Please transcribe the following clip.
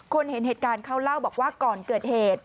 เห็นเหตุการณ์เขาเล่าบอกว่าก่อนเกิดเหตุ